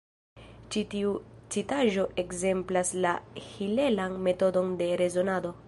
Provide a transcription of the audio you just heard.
Ĉi tiu citaĵo ekzemplas la hilelan metodon de rezonado.